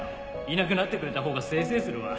いなくなってくれた方が清々するわ